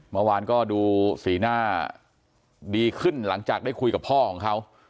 เมื่อวานก็ดูสีหน้าดีขึ้นหลังจากได้คุยกับพ่อของเขา